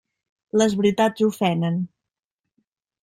Les veritats ofenen.